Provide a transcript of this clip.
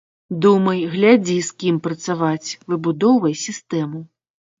Думай, глядзі, з кім працаваць, выбудоўвай сістэму.